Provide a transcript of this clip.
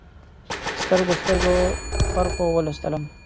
سترګو، سترګو پرخو ولوستم